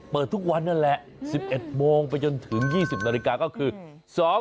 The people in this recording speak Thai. เปิดทุกวันนั่นแหละ๑๑โมงไปจนถึง๒๐นาฬิกาก็คือ